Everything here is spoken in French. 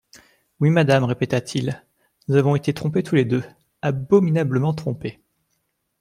Oui, madame, répéta-t-il, nous avons été trompés tous les deux, abominablement trompés.